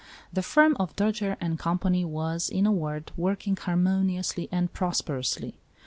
The firm of Dojere & Co. was, in a word, working harmo niously and prosperously.